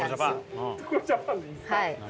はい。